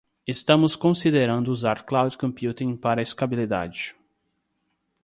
Estamos considerando usar cloud computing para escalabilidade.